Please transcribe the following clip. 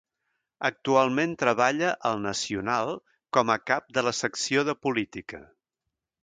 Actualment treballa al Nacional com a cap de la secció de política.